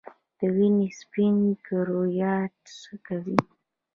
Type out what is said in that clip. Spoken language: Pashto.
د وینې سپین کرویات څه کوي؟